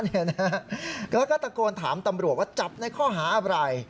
แล้วก็ตะโกนถามตำรวจว่าจับในข้อหาอะไร